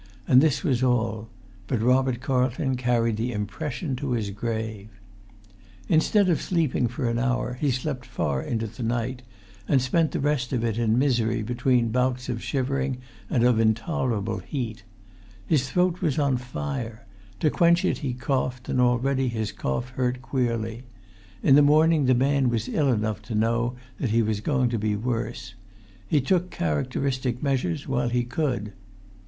And this was all; but Robert Carlton carried the impression to his grave. [Pg 217]Instead of sleeping for an hour, he slept far into the night; and spent the rest of it in misery between bouts of shivering and of intolerable heat. His throat was on fire, to quench it he coughed, and already his cough hurt queerly. In the morning the man was ill enough to know that he was going to be worse. He took characteristic measures while he could.